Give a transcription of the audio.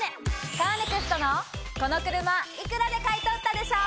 カーネクストのこの車幾らで買い取ったでしょ！